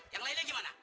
yang lainnya gimana